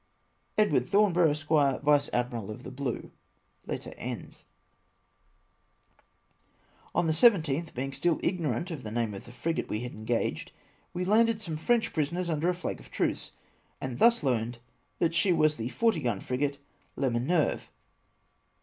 " Edw. Thornborough, Esq., Vice Admiral of the Bhie." On the 17tli, being still ignorant of the name of the fi'igate we had engaged, we landed some French pri soners nnder a flag of trnce, and thus learned that she was the 40 gmi frigate La Minerve.